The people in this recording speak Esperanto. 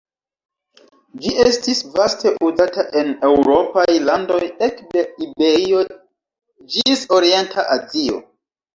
Ĝi estis vaste uzata en eŭropaj landoj ekde Iberio ĝis orienta Azio.